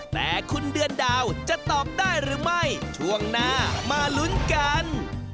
แต่คุณเดือนดาวจะตอบได้หรือไม่ช่วงหน้ามาลุ้นกัน